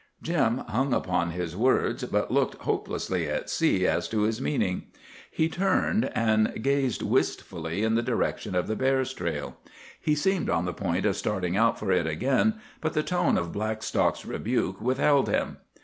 Jim hung upon his words, but looked hopelessly at sea as to his meaning. He turned and gazed wistfully in the direction of the bear's trail. He seemed on the point of starting out for it again, but the tone of Blackstock's rebuke withheld him.